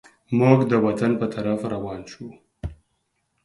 موږ د وطن پر طرف روان سوو.